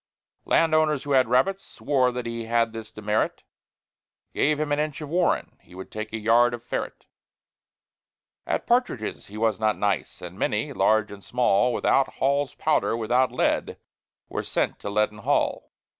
Land owners, who had rabbits, swore That he had this demerit Give him an inch of warren, he Would take a yard of ferret. At partridges he was not nice; And many, large and small, Without Hall's powder, without lead, Were sent to Leaden Hall.